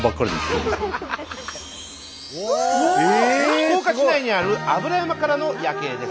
福岡市内にある油山からの夜景です。